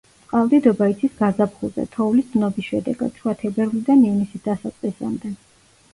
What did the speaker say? წყალდიდობა იცის გაზაფხულზე, თოვლის დნობის შედეგად, შუა თებერვლიდან ივნისის დასაწყისამდე.